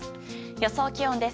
予想気温です。